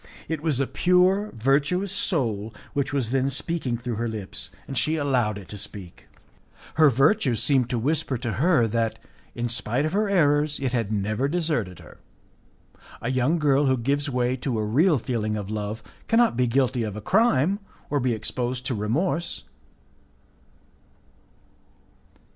It was a pure, virtuous soul which was then speaking through her lips, and she allowed it to speak. Her virtue seemed to whisper to her that, in spite of her errors, it had never deserted her. A young girl who gives way to a real feeling of love cannot be guilty of a crime, or be exposed to remorse.